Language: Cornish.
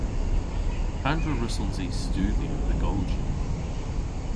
Pandr'a wrussons i studhya dhe golji?